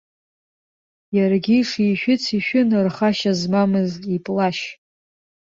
Иаргьы ишишәыц ишәын рхашьа змамыз иплашь.